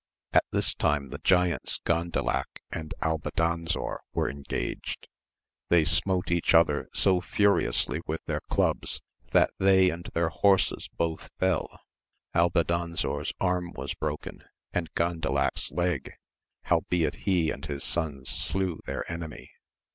At this time the giants Grandalac and Albadanzor were engaged ; they smote each other so furiously with their clubs, that they and their horses both fell. Albadanzor's arm was broken, and Gandalac's leg ; howbeit he and his sons slew their enemy.